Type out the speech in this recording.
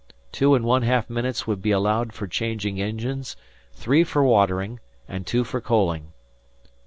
Two and one half minutes would be allowed for changing engines, three for watering, and two for coaling.